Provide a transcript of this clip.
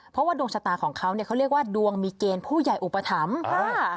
เพราะว่าดวงชะตาของเขาเนี่ยเขาเรียกว่าดวงมีเกณฑ์ผู้ใหญ่อุปถัมภ์